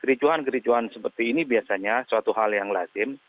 kericuhan kericuan seperti ini biasanya suatu hal yang lazim